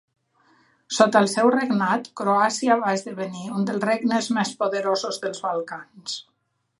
Sota el seu regnat, Croàcia va esdevenir un dels regnes més poderosos dels Balcans.